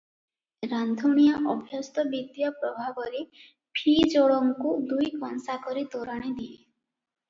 ରାନ୍ଧୁଣିଆ ଅଭ୍ୟସ୍ତ ବିଦ୍ୟା ପ୍ରଭାବରେ ଫି ଜଣକୁ ଦୁଇ କଂସା କରି ତୋରାଣି ଦିଏ ।